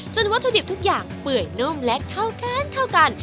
จนวัตถุดิบทุกอย่างเปื่อยนุ่มและเท่ากัน